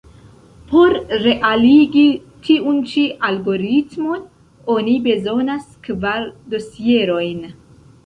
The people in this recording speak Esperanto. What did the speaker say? Por realigi tiun ĉi algoritmon, oni bezonas kvar dosierojn.